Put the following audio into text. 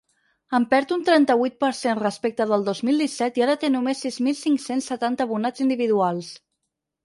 En perd un trenta-vuit per cent respecte del dos mil disset i ara té només sis mil cinc-cents setanta abonats individuals.